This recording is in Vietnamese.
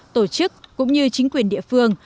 tổ chức cũng như chính quyền địa phương